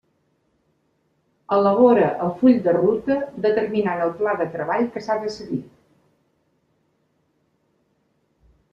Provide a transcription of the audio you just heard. Elabora el full de ruta determinant el pla de treball que s'ha de seguir.